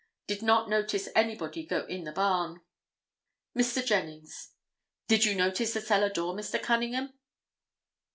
Did not notice anybody go in the barn." Mr. Jennings—"Did you notice the cellar door, Mr. Cunningham?"